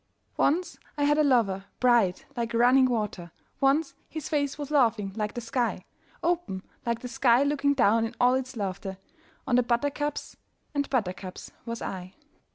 Once I had a lover bright like running water, Once his face was laughing like the sky; Open like the sky looking down in all its laughter On the buttercups and buttercups was I.